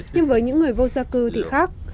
nhưng với những người vô gia cư thì khác